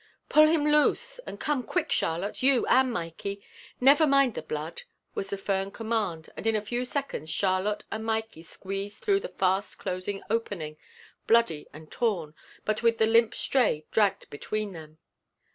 "Pull him loose and come quick, Charlotte, you and Mikey. Never mind the blood," was the firm command and in a few seconds Charlotte and Mikey squeezed through the fast closing opening, bloody and torn, but with the limp Stray dragged between them.